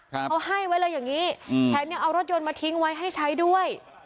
เขาให้ไว้เลยอย่างนี้แถมยังเอารถยนต์มาทิ้งไว้ให้ใช้ด้วย